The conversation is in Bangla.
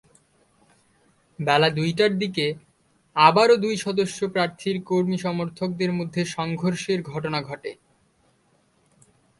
বেলা দুইটার দিকে আবারও দুই সদস্য প্রার্থীর কর্মী-সমর্থকদের মধ্যে সংঘর্ষের ঘটনা ঘটে।